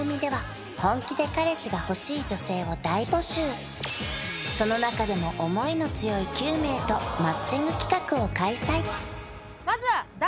そこで番組ではその中でも思いの強い９名とマッチング企画を開催！